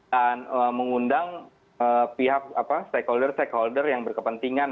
dan mengundang pihak stakeholder stakeholder yang berkepentingan